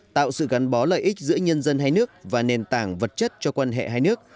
tạo sự gắn bó lợi ích giữa nhân dân hai nước và nền tảng vật chất cho quan hệ hai nước